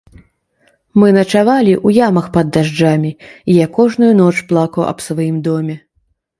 Мы начавалі ў ямах пад дажджамі, і я кожную ноч плакаў аб сваім доме.